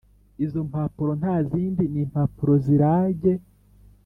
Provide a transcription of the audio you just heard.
izo mpapuro ntazindi nimpapuro zirage